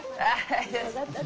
よかったね。